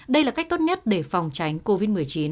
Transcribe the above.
đây là cách tốt nhất để phòng tránh covid một mươi chín